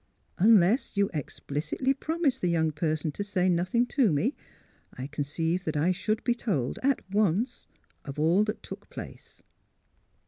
Unless you explicitly promised the young person to say nothing to me, I conceive that I should be told, at once, of all that took place."